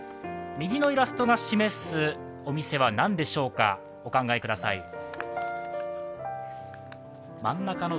右のイラストが示すお店は何でしょうか、お考えください。